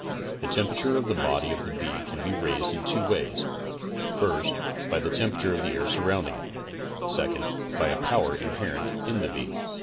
The tmperature of the bodyof the bee can be raised in two ways; first, by the tem perature of the air surrounding it; second, by a power, inherrent in the bee.